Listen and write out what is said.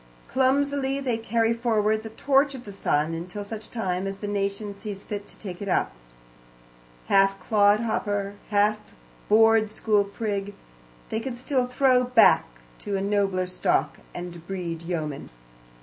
Clumsily they carry forward the torch of the sun, until such time as the nation sees fit to take it up. Half clodhopper, half board school prig, they can still throw back to a nobler stock, and breed yeomen.